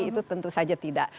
itu tentu saja tidak